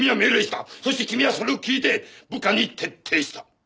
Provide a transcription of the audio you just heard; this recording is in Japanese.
そして君はそれを聞いて部下に徹底した。